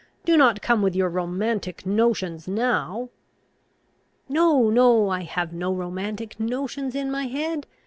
Do not come with your romantic notions now." "No, no: I have no romantic notions in my head.